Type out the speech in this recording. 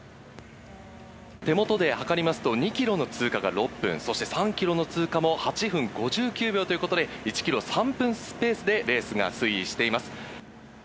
手元で計りますと、２キロの通過が６分、そして３キロの通過も８分５９秒ということで、１キロ３分ペースでレースが推移しています。